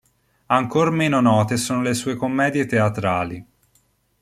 Ancor meno note sono le sue commedie teatrali.